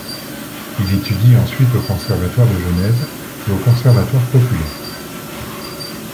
Il étudie ensuite au Conservatoire de Genève et au Conservatoire Populaire.